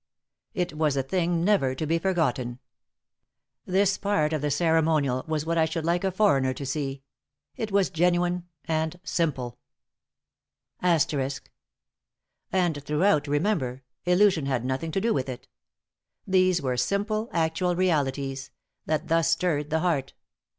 It was a thing never to be forgotten. This part of the ceremonial was what I should like a foreigner to see. It was genuine and simple. * "And throughout, remember, illusion had nothing to do with it. These were simple, actual realities, that thus stirred the heart.